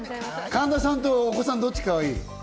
神田さんとお子さん、どっちがかわいい？